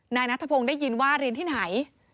นายนัทพงศ์ได้ยินว่าเรียนที่ไหน